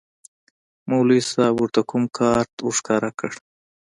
مولوي صاحب ورته کوم کارت ورښکاره کړ.